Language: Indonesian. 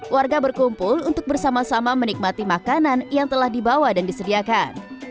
warga berkumpul untuk bersama sama menikmati makanan yang telah dibawa dan disediakan